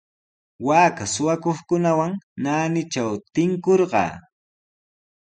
Waaka suqakuqkunawan naanitraw tinkurqaa.